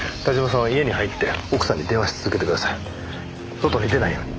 外に出ないように。